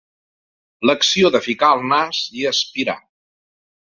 L'acció de ficar el nas i aspirar.